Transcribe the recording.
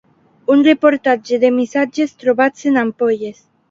Un reportatge de missatges trobats en ampolles.